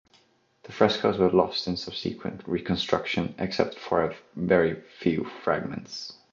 The frescoes were lost in subsequent reconstruction except for a very few fragments.